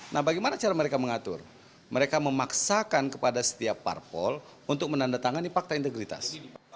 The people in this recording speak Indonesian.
nah bagaimana cara mereka mengatur mereka memaksakan kepada setiap parpol untuk menandatangani fakta integritas